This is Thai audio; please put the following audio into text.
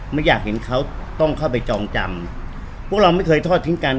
ไม่อยากเห็นเขาต้องเข้าไปจองจำพวกเราไม่เคยทอดทิ้งกัน